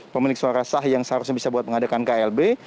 pemilik suara sah yang seharusnya bisa buat mengadakan klb